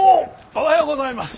おはようございます。